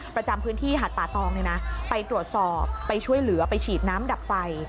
ประจำพื้นที่หาดป่าตองไปตรวจสอบไปช่วยเหลือไปฉีดน้ำดับไฟ